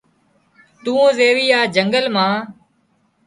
تون زيوي آ جنگل مان